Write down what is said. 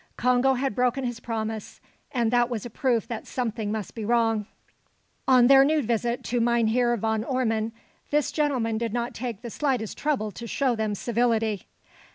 Congo had broken his promise; and that was a proof that something must be wrong. On their new visit to Mynheer Van Ormon, this gentleman did not take the slightest trouble to show them civility.